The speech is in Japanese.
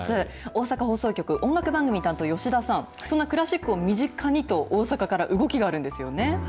大阪放送局、音楽番組担当、吉田さん、そんなクラシックを身近にと、大阪から動きがあるんですよ